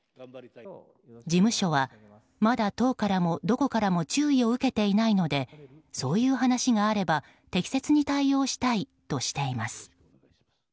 事務所はまだ党からもどこからも注意を受けていないのでそういう話があれば適切に対応したいとしています。